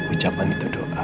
ucapan itu doa